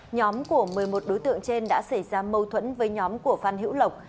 nhóm của một mươi một đối tượng trên đã xảy ra mâu thuẫn với nhóm của phan hữu lộc